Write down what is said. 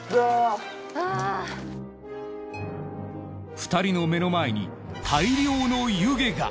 ２人の目の前に大量の湯気が。